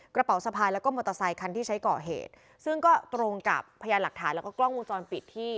กระเป๋าสะพายแล้วก็มอเตอร์ไซคันที่ใช้ก่อเหตุซึ่งก็ตรงกับพยานหลักฐานแล้วก็กล้องวงจรปิดที่